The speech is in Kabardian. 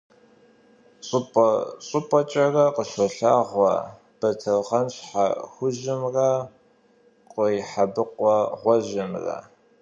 Щӏыпӏэ-щӏыпӏэкӏэрэ къыщолъагъуэ батыргъэн щхьэ хужьымрэ кхъуейхьэбыкъуэ гъуэжьымрэ.